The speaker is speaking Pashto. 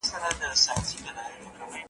سیاست هغه پوهه ده چي د قدرت بحث کوي.